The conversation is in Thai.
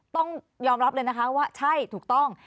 ต้องยอมรับเลยนะคะว่าใช่ถูกต้อง